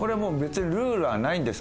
ルールはないんですか？